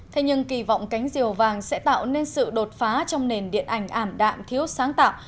thế nhưng kỳ vọng cánh diều vàng sẽ tạo nên sự đột phá trong nền điện ảnh ảm đạm thiếu sáng tạo